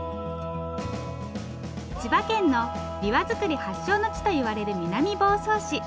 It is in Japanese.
千葉県のびわ作り発祥の地といわれる南房総市。